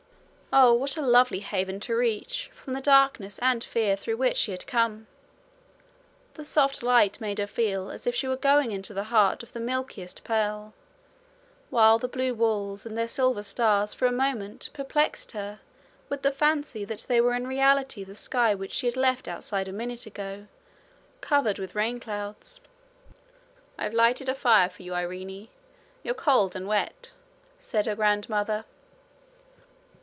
Oh, what a lovely haven to reach from the darkness and fear through which she had come! The soft light made her feel as if she were going into the heart of the milkiest pearl; while the blue walls and their silver stars for a moment perplexed her with the fancy that they were in reality the sky which she had left outside a minute ago covered with rainclouds. 'I've lighted a fire for you, Irene: you're cold and wet,' said her grandmother.